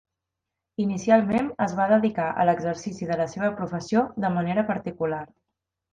Inicialment es va dedicar a l'exercici de la seva professió de manera particular.